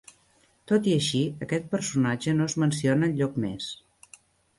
Tot i així, aquest personatge no es menciona enlloc més.